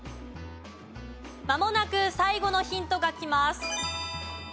まもなく最後のヒントがきます。